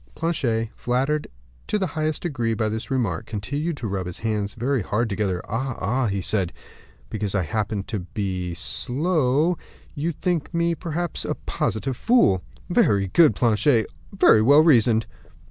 Planchet, flattered in the highest degree by this remark, continued to rub his hands very hard together. "Ah, ah," he said, "because I happen to be only slow, you think me, perhaps, a positive fool." "Very good, Planchet; very well reasoned."